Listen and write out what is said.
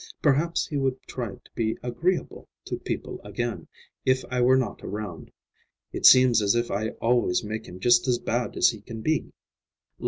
Perhaps he would try to be agreeable to people again, if I were not around. It seems as if I always make him just as bad as he can be."